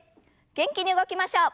元気に動きましょう。